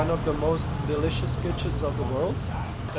nó là một lựa chọn rất khó thích